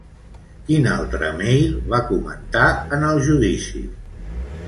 Quin altre mail va comentar en el judici?